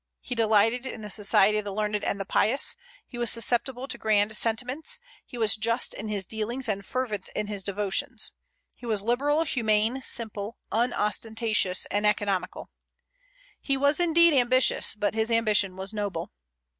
He delighted in the society of the learned and the pious; he was susceptible to grand sentiments; he was just in his dealings and fervent in his devotions. He was liberal, humane, simple, unostentatious, and economical. He was indeed ambitious, but his ambition was noble.